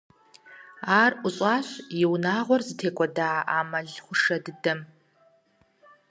Ар ӀущӀащ и унагъуэр зытекӀуэда а мэл хъушэ дыдэм.